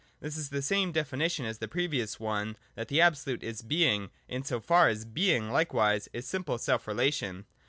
This is the same defi nition as the previous one that the Absolute is Being, in so far as Being likewise is simple self relation.